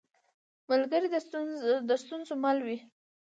ملګری د ستونزو مل وي